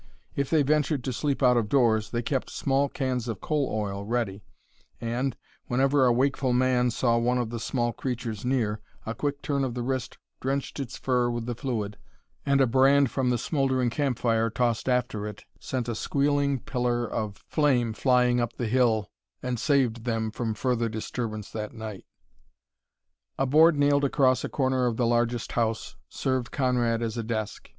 If they ventured to sleep out of doors, they kept small cans of coal oil ready and, whenever a wakeful man saw one of the small creatures near, a quick turn of the wrist drenched its fur with the fluid and a brand from the smouldering campfire tossed after it sent a squealing pillar of flame flying up the hill and saved them from further disturbance that night. A board nailed across a corner of the largest house served Conrad as a desk.